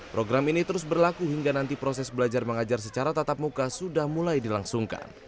program ini terus berlaku hingga nanti proses belajar mengajar secara tatap muka sudah mulai dilangsungkan